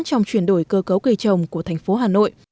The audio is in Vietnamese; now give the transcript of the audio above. trong chuyển đổi cơ cấu cây trồng của thành phố hà nội